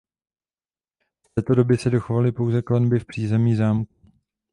Z této doby se dochovaly pouze klenby v přízemí zámku.